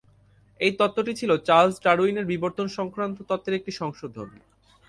এই তত্ত্বটি ছিল চার্লস ডারউইনের বিবর্তন সংক্রান্ত তত্ত্বের একটি সংশোধন।